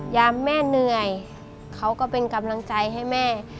แม่เหนื่อยเขาก็เป็นกำลังใจให้แม่